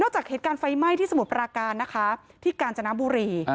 จากเหตุการณ์ไฟไหม้ที่สมุทรปราการนะคะที่กาญจนบุรี